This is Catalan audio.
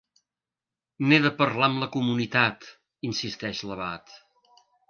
N'he de parlar amb la comunitat —insisteix l'abat.